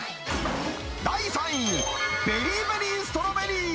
第３位、ベリーベリーストロベリー。